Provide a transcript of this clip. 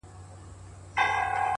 اخلاص د اړیکو ارزښت زیاتوي’